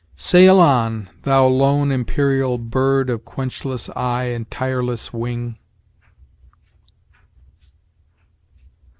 "Sail on, thou lone imperial bird Of quenchless eye and tireless wing!"